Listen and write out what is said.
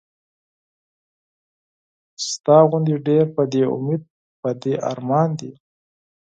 ستا غوندې ډېر پۀ دې اميد پۀ دې ارمان دي